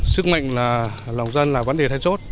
sức mạnh là lòng dân là vấn đề then chốt